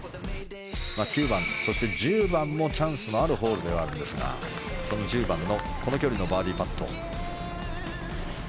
９番、そして１０番もチャンスのあるホールではあるんですが１０番のこの距離のバーディーパット。